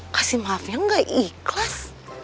kasih maafnya gak ikhlas